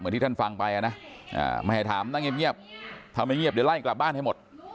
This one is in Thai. ว่าที่ท่านฟังไปนะะ๘แหท้ฐำนั่งเงียบเดี๋ยวไล่กลับบ้านให้หมด